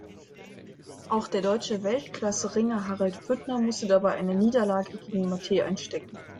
Auch der deutsche Weltklasseringer Harald Büttner musste dabei eine Niederlage gegen Mate einstecken.